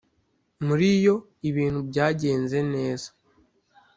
muri yo ibintu byagenze neza